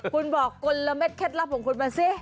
คุณบอกกลเม็ดเคล็ดลับของคุณมาสิ